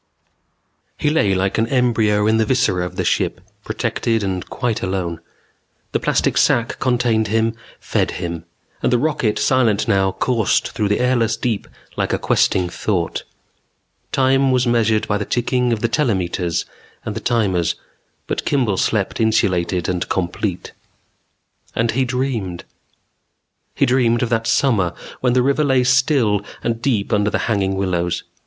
_He lay like an embryo in the viscera of the ship, protected and quite alone. The plastic sac contained him, fed him; and the rocket, silent now, coursed through the airless deep like a questing thought. Time was measured by the ticking of the telemeters and the timers, but Kimball slept insulated and complete. And he dreamed. He dreamed of that summer when the river lay still and deep under the hanging willows.